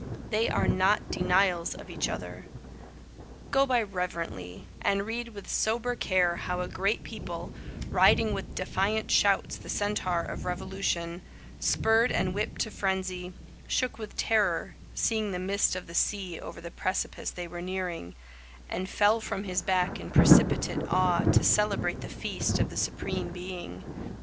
They are not denials of each other. Go by reverently, and read with sober care How a great people, riding with defiant shouts The centaur of Revolution, Spurred and whipped to frenzy, Shook with terror, seeing the mist of the sea Over the precipice they were nearing, And fell from his back in precipitate awe To celebrate the Feast of the Supreme Being.